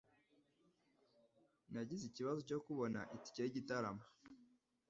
Nagize ikibazo cyo kubona itike yigitaramo.